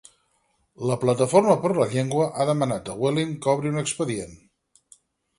La Plataforma per la Llengua ha demanat a Vueling que obri un expedient